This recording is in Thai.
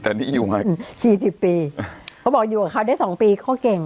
แต่นี่อยู่มาสี่สิบปีเขาบอกอยู่กับเขาได้สองปีเขาเก่ง